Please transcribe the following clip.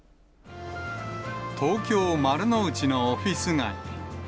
東京・丸の内のオフイス街。